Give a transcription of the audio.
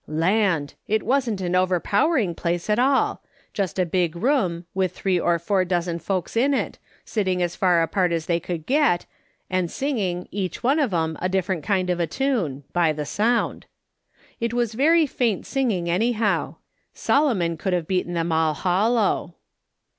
Land ! it wasn't an overpowering place at all ; just a big room, with three or four dozen folks in it, sitting as far apart as they could get, and sing ing, each one of 'em, a different kind of a tune — by the sound. It was very faint singing anyhow ; Solo mon could have beaten them all hollow.